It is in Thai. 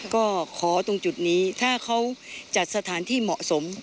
ก็ขอตรงจุดนี้ถ้าเขาจัดสถานที่เหมาะสม